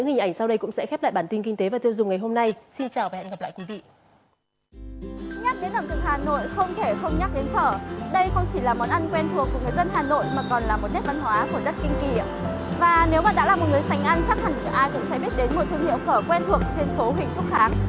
và nếu mà đã là một người sành ăn chắc hẳn ai cũng sẽ biết đến một thương hiệu phở quen thuộc trên phố huỳnh thúc kháng